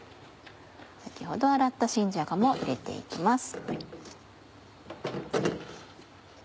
先ほど洗った新じゃがも入れて行きます。